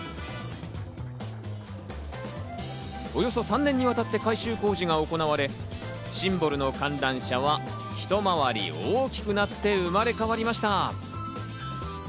およそ３年にわたって改修工事が行われ、シンボルの観覧車はひと回り大きくなって生まれ変わりました。